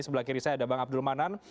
sebelah kiri saya ada bang abdul manan